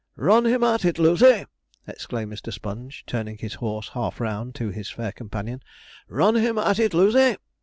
'Run him at it, Lucy!' exclaimed Mr. Sponge, turning his horse half round to his fair companion. 'Run him at it, Lucy!'